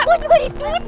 gue juga ditipu